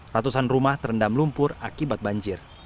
ratusan rumah terendam lumpur akibat banjir